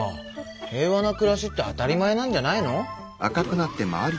平和な暮らしって当たり前なんじゃないの？